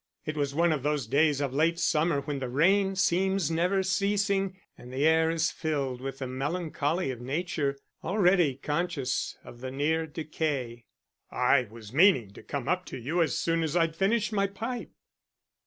It was one of those days of late summer when the rain seems never ceasing, and the air is filled with the melancholy of nature, already conscious of the near decay. "I was meaning to come up to you as soon as I'd finished my pipe."